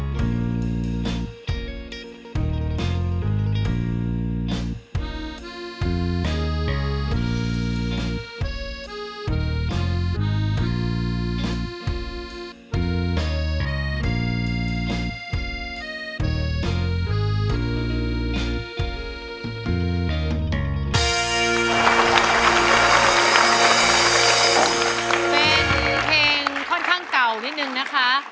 เป็นเพลงค่อนข้างเก่านิดนึงนะคะ